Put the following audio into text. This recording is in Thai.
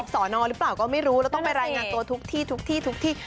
สอนอหรือเปล่าก็ไม่รู้แล้วต้องไปรายงานตัวทุกที่ทุกที่ทุกที่